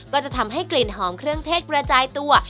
ก็จะทำให้กลิ่นหอมเครื่องเทศกระจายตัว